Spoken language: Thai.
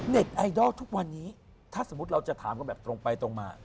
ไอดอลทุกวันนี้ถ้าสมมุติเราจะถามกันแบบตรงไปตรงมา